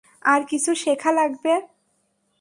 আর কিছু শেখা লাগবে?